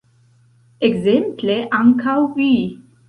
Ekzemple ankaŭ vi.